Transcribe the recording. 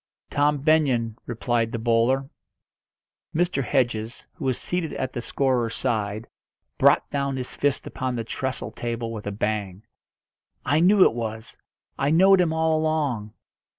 "Tom Benyon," replied the bowler. Mr. Hedges, who was seated at the scorer's side, brought down his fist upon the trestle table with a bang. "I knew it was! I knowed him all along!"